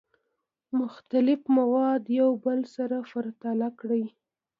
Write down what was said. مختلف مواد یو بل سره پرتله کړئ.